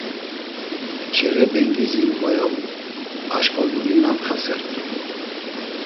Çere bengizi moyoğu, aşǩva guri nantxasert̆u.